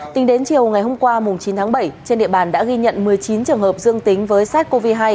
tính đến chiều ngày hôm qua chín tháng bảy trên địa bàn đã ghi nhận một mươi chín trường hợp dương tính với sars cov hai